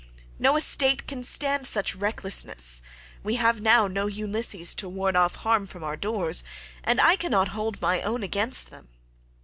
No estate can stand such recklessness; we have now no Ulysses to ward off harm from our doors, and I cannot hold my own against them.